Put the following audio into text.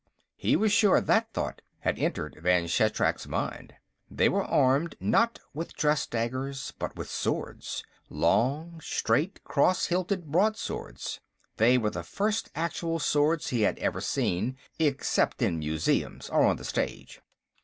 He was sure that thought had entered Vann Shatrak's mind. They were armed, not with dress daggers, but with swords; long, straight cross hilted broadswords. They were the first actual swords he had ever seen, except in museums or on the stage.